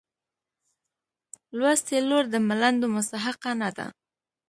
لوستې لور د ملنډو مستحقه نه ده.